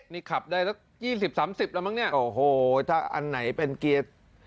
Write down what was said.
นี่ขับได้รถยี่สิบสามสิบแล้วมั้งเนี้ยโอ้โหถ้าอันไหนเป็นเกียร์